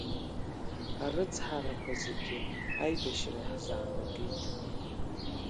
Арыцҳарақәа зегьы аибашьра иаҳзаанагеит…